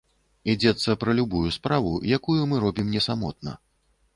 Ідзецца пра любую справу, якую мы робім не самотна.